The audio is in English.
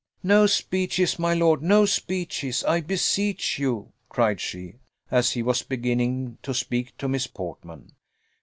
"No speeches, my lord! no speeches, I beseech you," cried she, as he was beginning to speak to Miss Portman.